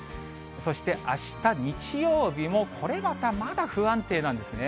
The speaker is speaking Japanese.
そしてあした日曜日も、これまたまだ、不安定なんですね。